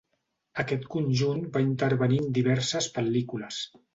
Aquest conjunt va intervenir en diverses pel·lícules.